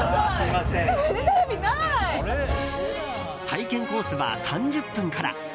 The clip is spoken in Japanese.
体験コースは３０分から。